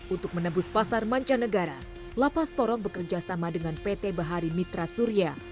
untuk menembus pasar mancanegara lapas porong bekerja sama dengan pt bahari mitra surya